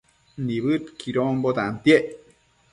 Nibëdquidonbo tantiec